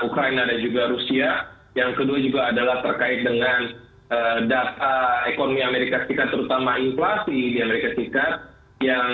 baik fundamental ekonomi yang